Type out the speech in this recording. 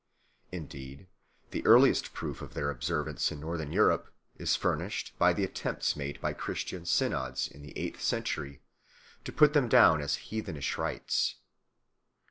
Indeed the earliest proof of their observance in Northern Europe is furnished by the attempts made by Christian synods in the eighth century to put them down as heathenish rites.